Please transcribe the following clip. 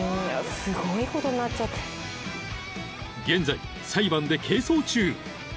［現在裁判で係争中］